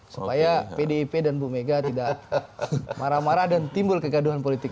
supaya pdip dan bu mega tidak marah marah dan timbul kegaduhan politik